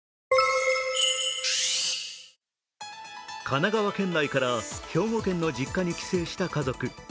神奈川県内から兵庫県の実家に帰省した家族。